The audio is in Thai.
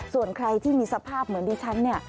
ส่วนใครที่มีสภาพเหมือนดิฉันเนี่ย